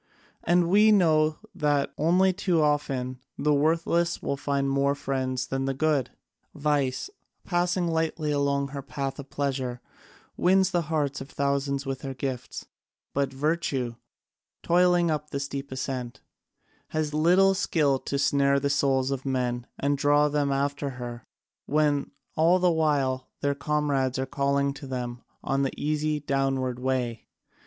And we know that only too often the worthless will find more friends than the good. Vice, passing lightly along her path of pleasure, wins the hearts of thousands with her gifts; but Virtue, toiling up the steep ascent, has little skill to snare the souls of men and draw them after her, when all the while their comrades are calling to them on the easy downward way.